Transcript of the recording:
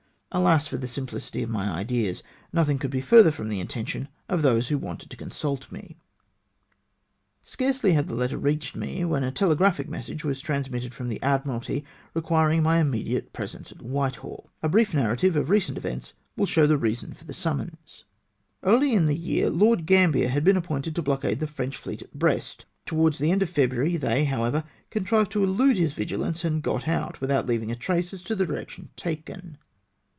Alas, for the simplicity of my ideas ! Nothing could be further from the intention of those who wanted to considt me ! Scarcely had the letter reached me, when a tele graphic message was transmitted from the Admiralty, requiring my immediate presence at Whitehall. A brief narrative of recent events will show the reason for the summons. Early in the year Lord Gambler had been appointed to blockade the French fleet at Brest. Towards the end of February they, however, contrived to elude liis vigilance, and got out without leaving a trace as to the direction taken.